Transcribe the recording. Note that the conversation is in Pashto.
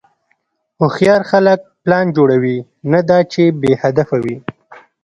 هوښیار خلک پلان جوړوي، نه دا چې بېهدفه وي.